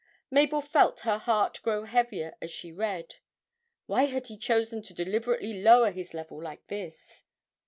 Mabel felt her heart grow heavier as she read. Why had he chosen to deliberately lower his level like this?